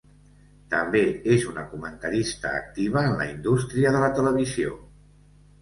També és una comentarista activa en la indústria de la televisió.